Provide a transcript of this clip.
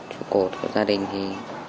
chú cột của gia đình thì